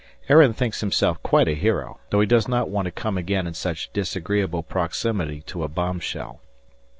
Aaron thinks himself quite a hero, though he does not want to come again in such disagreeable proximity to a bombshell.